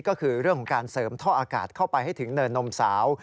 ก็คือเรื่องของการเสริมท่ออากาศเข้าไปให้ถึงเนินนมสาว